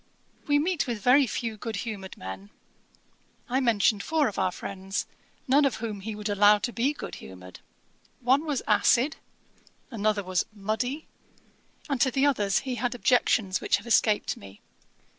We meet with very few good humoured men.' I mentioned four of our friends, none of whom he would allow to be good humoured. One was acid, another was muddy, and to the others he had objections which have escaped me.